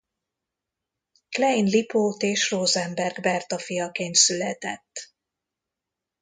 Klein Lipót és Rosenberg Berta fiaként született.